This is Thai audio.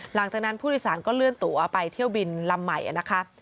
หลังจากนั้นผู้โดยสารก็เลื่อนตัวไปเที่ยวบินลำใหม่นะคะ